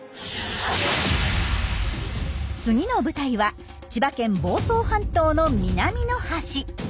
次の舞台は千葉県房総半島の南の端。